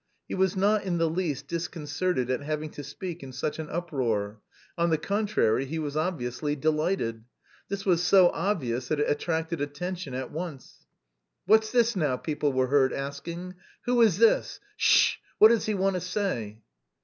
He was not in the least disconcerted at having to speak in such an uproar, on the contrary, he was obviously delighted. This was so obvious that it attracted attention at once. "What's this now?" people were heard asking. "Who is this? Sh h! What does he want to say?"